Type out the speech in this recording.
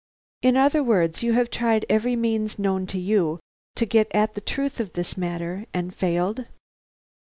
"In other words, you have tried every means known to you to get at the truth of this matter, and failed."